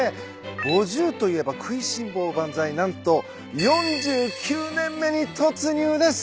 ５０といえば『くいしん坊！万才』何と４９年目に突入です。